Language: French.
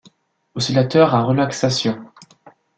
Oscillateurs à relaxation.